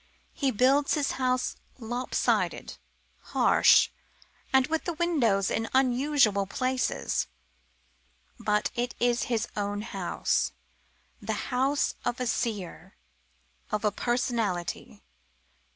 He builds his house lopsided, harsh, and with the windows in unusual places; but it is his own house, the house of a seer, of a personality.